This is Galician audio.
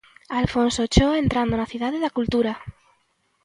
Alfonso Ochoa entrando na Cidade da Cultura.